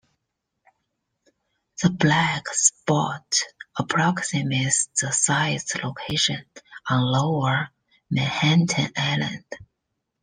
The black spot approximates the site's location on lower Manhattan Island.